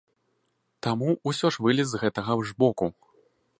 Таму ўсё ж вылез з гэтага ж боку.